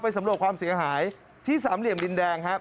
สำรวจความเสียหายที่สามเหลี่ยมดินแดงครับ